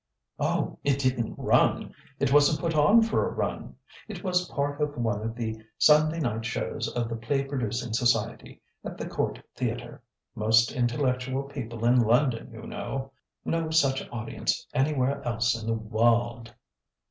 "Oh! it didn't run. It wasn't put on for a run. It was part of one of the Sunday night shows of the Play Producing Society, at the Court Theatre. Most intellectual people in London, you know. No such audience anywhere else in the wahld!"